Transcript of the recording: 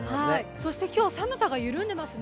そして今日、寒さが緩んでいますね。